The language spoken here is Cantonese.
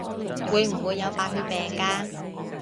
會唔會有白血病㗎？